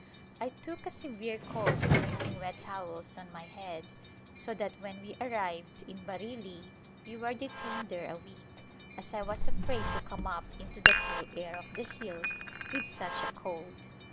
I took a severe cold from using wet towels on my head, so that when we arrived in Bareilly we were detained there a week, as I was afraid to come up into the cool air of the hills with such a cold.